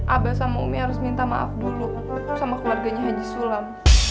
abah sama umi harus minta maaf dulu sama keluarganya haji sulam